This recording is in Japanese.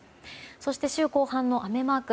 そして週後半の雨マーク。